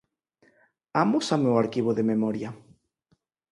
Amósame o arquivo de memoria.